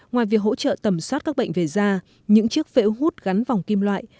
ngoài việc hỗ trợ tầm soát các bệnh về da những chiếc phễu hút gắn vòng kim loại